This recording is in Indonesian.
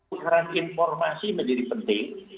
ukuran informasi menjadi penting